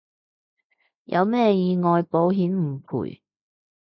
有咩意外保險唔賠